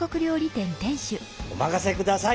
おまかせください